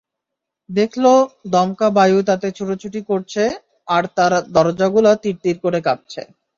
দেখল, দমকা বায়ু তাতে ছুটাছুটি করছে আর তার দরজাগুলো তির তির করে কাঁপছে।